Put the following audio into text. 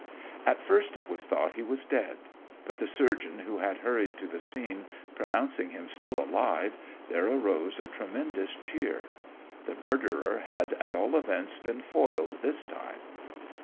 "At first it was thought that he was dead; but the surgeon who had hurried to the scene pronouncing him still alive, there arose a tremendous cheer. The murderer had at all events been foiled this time.